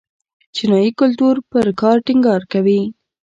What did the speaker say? چینايي کلتور پر کار ټینګار کوي.